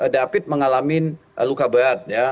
david mengalami luka berat ya